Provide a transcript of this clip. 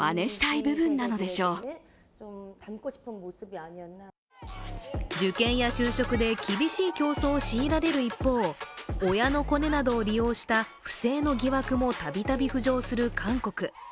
番組のプロデューサーは受験や就職で厳しい競争を強いられる一方、親のコネなどを利用した不正の疑惑もたびたび浮上する韓国。